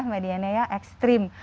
medianya ya ekstrim